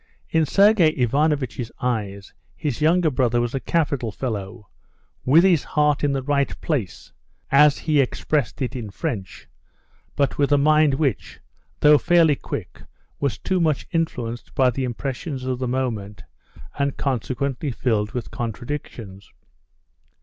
In Sergey Ivanovitch's eyes his younger brother was a capital fellow, with his heart in the right place (as he expressed it in French), but with a mind which, though fairly quick, was too much influenced by the impressions of the moment, and consequently filled with contradictions.